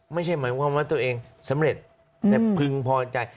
ไม่ใช่หมายความว่าตัวเองสำเร็จแต่พึงพอใจ